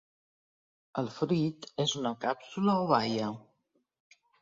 El fruit és una càpsula o baia.